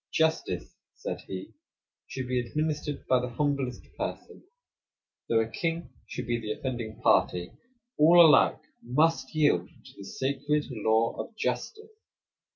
"Justice," said he, "should be administered to the humblest person; though a king should be the offending party, all alike must yield to the sacred law of justice.